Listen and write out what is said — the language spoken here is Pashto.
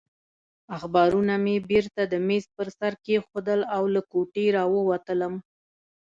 اخبارونه مې بېرته د مېز پر سر کېښودل او له کوټې راووتلم.